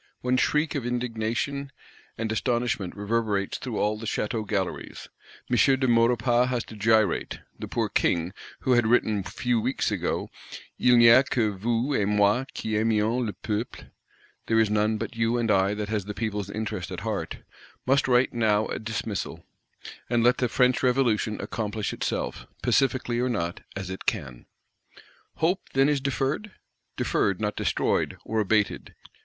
One shriek of indignation and astonishment reverberates through all the Château galleries; M. de Maurepas has to gyrate: the poor King, who had written few weeks ago, "Il n'y a que vous et moi qui aimions le peuple (There is none but you and I that has the people's interest at heart)," must write now a dismissal; and let the French Revolution accomplish itself, pacifically or not, as it can. Hope, then, is deferred? Deferred; not destroyed, or abated.